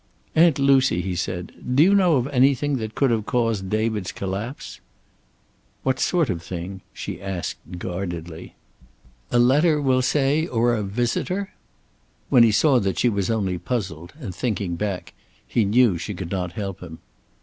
"Aunt Lucy," he said, "do you know of anything that could have caused David's collapse?" "What sort of thing?" she asked guardedly. "A letter, we'll say, or a visitor?" When he saw that she was only puzzled and thinking back, he knew she could not help him.